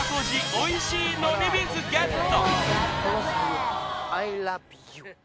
おいしい飲み水ＧＥＴ